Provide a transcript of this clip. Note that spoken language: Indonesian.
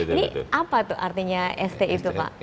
ini apa itu artinya st itu pak